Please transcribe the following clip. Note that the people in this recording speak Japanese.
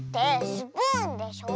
スプーンでしょ。